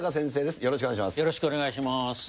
よろしくお願いします。